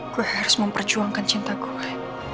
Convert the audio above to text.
gue harus memperjuangkan cinta gue